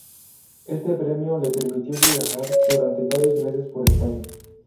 Este premio le permitió viajar durante varios meses por España.